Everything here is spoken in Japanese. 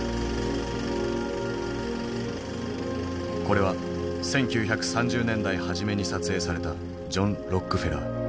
これは１９３０年代初めに撮影されたジョン・ロックフェラー。